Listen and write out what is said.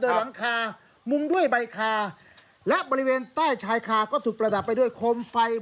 โดยหลังคามุงด้วยใบคาและบริเวณใต้ชายคาก็ถูกประดับไปด้วยโคมไฟ